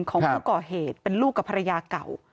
ของผู้ก่อเหตุเป็นลูกกับภรรยาเก่า